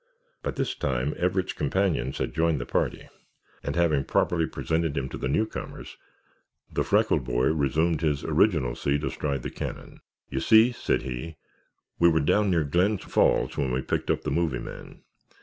By this time Everett's companions had joined the party and having properly presented him to the newcomers, the freckled boy resumed his original seat astride the cannon. "You see," said he, "we were down near Glens Falls when we picked up the movie men.